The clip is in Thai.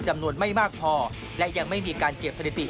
จำนวนไม่มากพอและยังไม่มีการเก็บสถิติ